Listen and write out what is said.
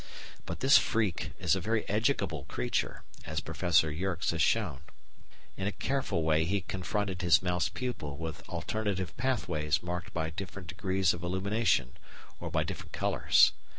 But this freak is a very educable creature, as Professor Yerkes has shown. In a careful way he confronted his mouse pupil with alternative pathways marked by different degrees of illumination, or by different colours.